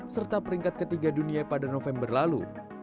serta peringkat ketiga dunia pada november lalu